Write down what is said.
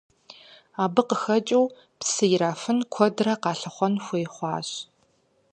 Абы къыхэкӏыу псы ирафын куэдрэ къалъыхъуэн хуей хъуащ.